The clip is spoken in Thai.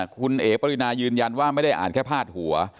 คุณเอ๋ปรินายืนยันว่าไม่ได้อ่านแค่พาดหัว